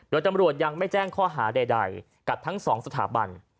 โดยตำรวจยังไม่แจ้งข้อหาใดกับทั้งสองสถาบัน